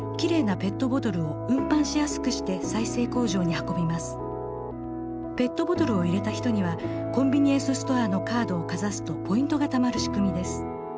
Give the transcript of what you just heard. ペットボトルを入れた人にはコンビニエンスストアのカードをかざすとポイントがたまる仕組みです。